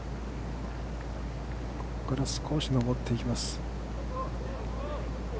これ少し上っていきます。